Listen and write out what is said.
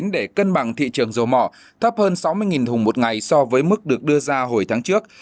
để cân bằng thị trường dầu mỏ thấp hơn sáu mươi thùng một ngày so với mức được đưa ra hồi tháng trước